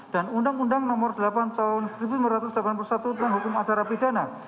dan undang undang no delapan tahun seribu lima ratus delapan puluh satu tentang hukum acara pidana